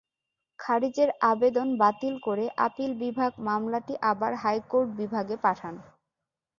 খারিজের আবেদন বাতিল করে আপিল বিভাগ মামলাটি আবার হাইকোর্ট বিভাগে পাঠান।